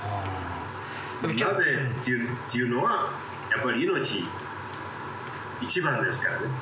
なぜっていうのはやっぱり命一番ですからね。